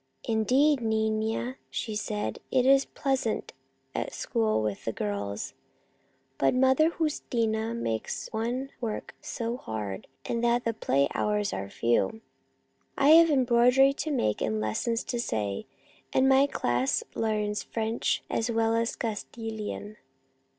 "Indeed, nina" she said, "it is pleasant at school with the girls, but that Mother Jus tina makes one work so hard, and that the play hours are few. I have embroidery to make, and lessons to say, and my class learns French as well as Castilian.